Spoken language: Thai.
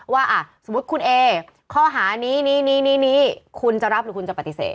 ว่าสมมุติคุณเอข้อหานี้คุณจะรับหรือคุณจะปฏิเสธ